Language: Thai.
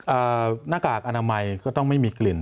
หน้ากากอนามัยก็ต้องไม่มีกลิ่น